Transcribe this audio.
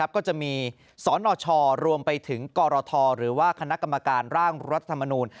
ก็จะมีสนชรวมไปถึงกรทหรือว่าคณะกรรมการร่างรัฐธรรมนูล